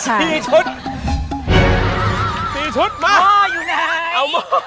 หือ